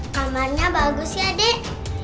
kamarnya bagus ya dek